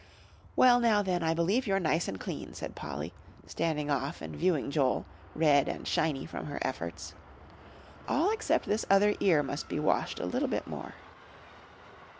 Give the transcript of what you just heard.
"Well, now then, I believe you're nice and clean," said Polly, standing off and viewing Joel, red and shiny from her efforts. "All except this other ear must be washed a little bit more."